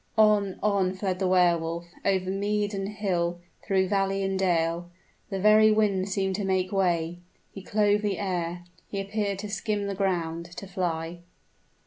On, on fled the Wehr Wolf, over mead and hill, through valley and dale. The very wind seemed to make way: he clove the air he appeared to skim the ground to fly.